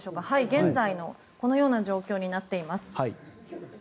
現在このような状況になっています。